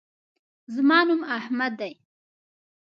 زما نوم احمد دے